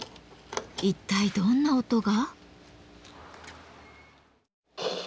一体どんな音が？